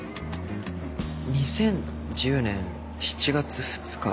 ２０１０年７月２日。